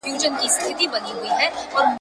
څوک به ولي دښمني کړي د دوستانو ,